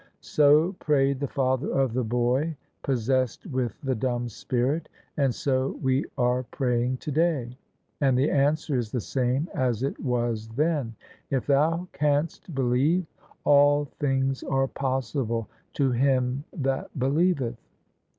So prayed the father of the boy possessed with the dumb spirit; and so we are praying today. And the answer is the same as it was then: " If thou canst believe, all things are possible to him that believeth."